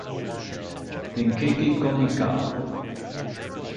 Dengeki Comic Gao!